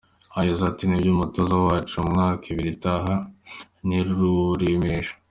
Yagize ati “Ni byo umutoza wacu mu myaka ibiri itaha ni Ruremesha.